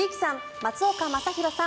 松岡昌宏さん